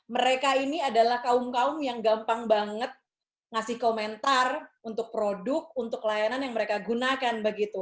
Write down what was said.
mereka ini adalah kaum kaum yang gampang banget ngasih komentar untuk produk untuk layanan yang mereka gunakan begitu